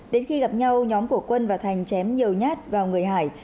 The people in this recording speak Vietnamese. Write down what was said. đến khi gặp nhau nhóm của quân và thành chém nhiều nhát vào người hải